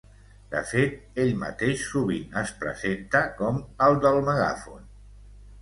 De fet, ell mateix sovint es presenta com ‘el del megàfon’.